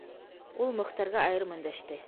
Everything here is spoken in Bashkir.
- Ул Мөхтәргә айырым өндәште.